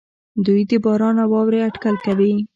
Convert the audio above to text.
دوی د باران او واورې اټکل کوي.